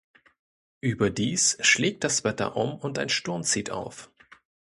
Überdies schlägt das Wetter um und ein Sturm zieht auf.